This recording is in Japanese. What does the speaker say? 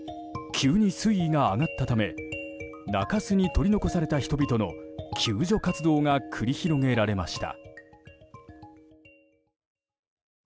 急に水位が上がったため中州に取り残された人々の救助活動が繰り広げられました。